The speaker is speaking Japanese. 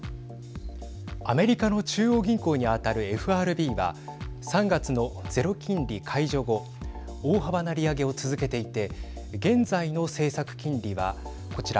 アメリカの中央銀行に当たるＦＲＢは３月のゼロ金利解除後大幅な利上げを続けていて現在の政策金利は、こちら。